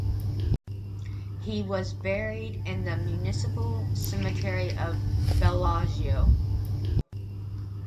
He was buried in the Municipal Cemetery of Bellagio.